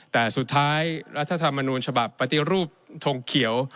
แต่สุดท้ายรัฐธรรมนูญฉบับปฏิรูปทงเขียว